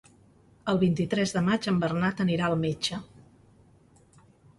El vint-i-tres de maig en Bernat anirà al metge.